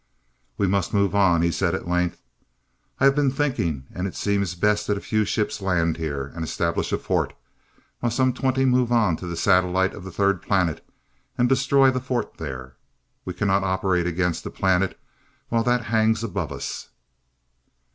"We must move on," he said at length. "I have been thinking, and it seems best that a few ships land here, and establish a fort, while some twenty move on to the satellite of the third planet and destroy the fort there. We cannot operate against the planet while that hangs above us."